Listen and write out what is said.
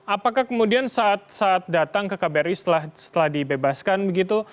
apakah kemudian saat saat datang ke kbri setelah dibebaskan begitu